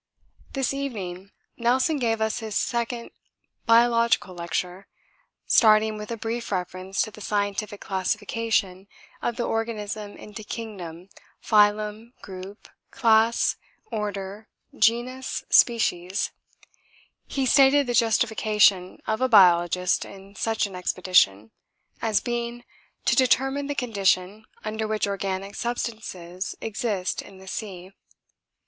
This evening Nelson gave us his second biological lecture, starting with a brief reference to the scientific classification of the organism into Kingdom, Phylum, Group, Class, Order, Genus, Species; he stated the justification of a biologist in such an expedition, as being 'To determine the condition under which organic substances exist in the sea.'